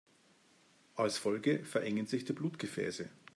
Als Folge verengen sich die Blutgefäße.